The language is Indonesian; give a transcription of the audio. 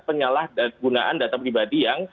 penyalahgunaan data pribadi yang